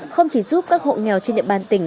không chỉ giúp các hộ nghèo trên địa bàn tỉnh